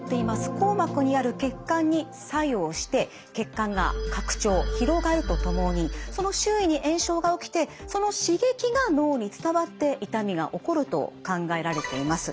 硬膜にある血管に作用して血管が拡張広がるとともにその周囲に炎症が起きてその刺激が脳に伝わって痛みが起こると考えられています。